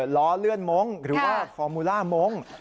ล้อเลื่อนมงค์หรือว่าฟอร์มูล่ามงค์